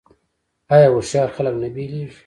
آیا هوښیار خلک نه بیلیږي؟